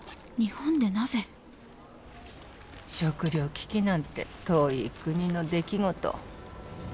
食料危機なんて遠い国の出来事。